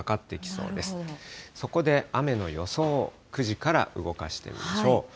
そこで雨の予想を９時から動かしてみましょう。